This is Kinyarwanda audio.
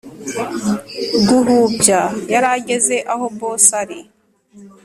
guhubya yarageze aho boss ari.